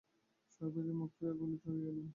সর্বজয়া মুখ ফিরাইয়া বলিত, ঐ এলেন!